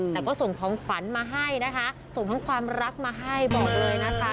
แต่ก็ส่งของขวัญมาให้นะคะส่งทั้งความรักมาให้บอกเลยนะคะ